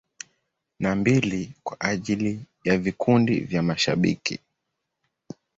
Na mbili kwa ajili ya vikundi vya mashabiki.